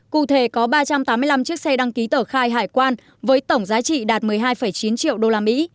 cụ thể có ba trăm tám mươi năm chiếc xe đăng ký tở khai hải quan với tổng giá trị đạt một mươi hai chín triệu usd